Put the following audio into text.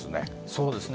そうですね。